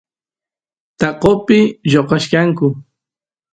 taqopi lloqachkanku